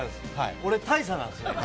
俺、大佐なんですね。